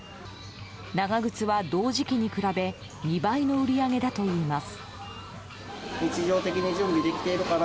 長靴は同時期に比べ２倍の売り上げだといいます。